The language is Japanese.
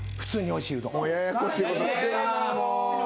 ややこしいことしてんなもう。